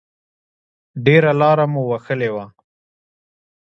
ډېره لاره مو وهلې وه.